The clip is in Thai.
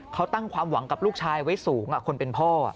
เขาตั้งความหวังกับลูกชายไว้สูงคนเป็นพ่อ